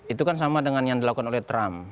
itu kan sama dengan yang dilakukan oleh trump